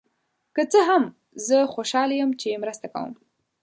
که څه هم، زه خوشحال یم چې مرسته کوم.